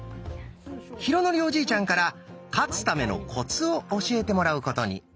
浩徳おじいちゃんから勝つためのコツを教えてもらうことに。